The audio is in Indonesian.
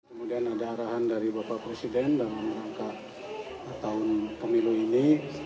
kemudian ada arahan dari bapak presiden dalam rangka tahun pemilu ini